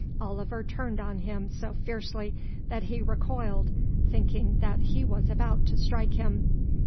Oliver turned on him so fiercely that he recoiled, thinking that he was about to strike him.